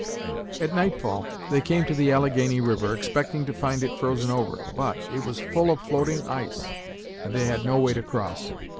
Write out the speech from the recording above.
At nightfall they came to the Allegheny River, expecting to find it frozen over, but it was full of floating ice and they had no way to cross.